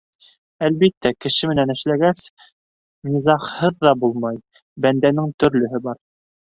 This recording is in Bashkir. Әлбиттә, кеше менән эшләгәс, низағһыҙ ҙа булмай, бәндәнең төрлөһө бар.